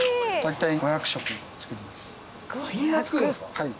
はい。